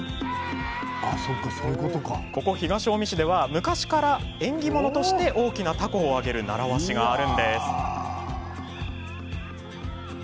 ここ東近江市では昔から縁起物として大きなたこを揚げる習わしがあるんです。